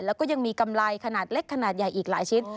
แล้วก็ยังมีกำไรขนาดเล็กขนาดใหญ่อีกหลายชิ้น